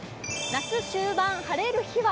夏終盤、晴れる日は？